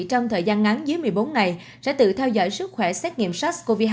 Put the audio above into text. trong thời gian ngắn dưới một mươi bốn ngày sẽ tự theo dõi sức khỏe xét nghiệm sars cov hai